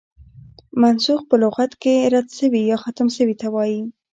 منسوخ په لغت کښي رد سوی، يا ختم سوي ته وايي.